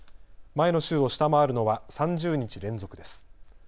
前の週を下回るのは３０日連続です。